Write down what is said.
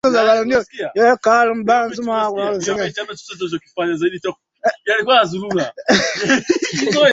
kuwa mbunge na baadaye waziri miaka sita iliyopitaUchaguzi Mkuu wa mwaka elfu mbili